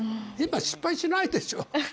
失敗しないでしょ。